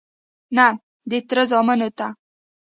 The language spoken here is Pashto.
_نه، د تره زامنو ته..